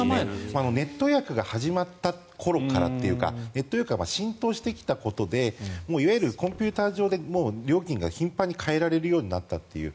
ネット予約が始まった頃からというかネット予約が浸透してきたことでいわゆるコンピューター上で料金が頻繁に変えられるようになったと。